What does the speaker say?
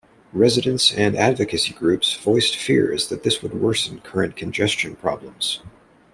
Residents and advocacy groups voiced fears that this would worsen current congestion problems.